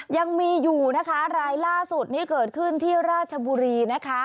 ยังมีอยู่นะคะรายล่าสุดนี้เกิดขึ้นที่ราชบุรีนะคะ